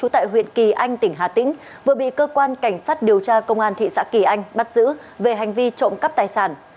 tại huyện kỳ anh tỉnh hà tĩnh vừa bị cơ quan cảnh sát điều tra công an thị xã kỳ anh bắt giữ về hành vi trộm cắp tài sản